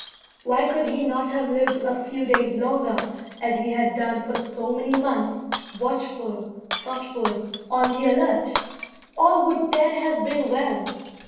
Why could he not have lived a few days longer, as he had done for so many months, watchful, thoughtful, on the alert? All would then have been well.